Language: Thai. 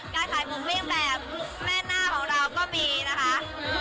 การขายผมวิ่งแบบแม่หน้าของเราก็มีนะคะ